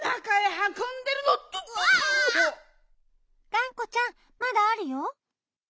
がんこちゃんまだあるよ。